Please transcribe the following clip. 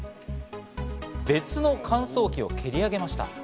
別の乾燥機を蹴り上げました。